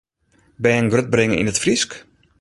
Bern grutbringe yn it Frysk?